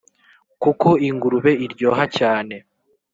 Kuko ingurube iryoha cyane,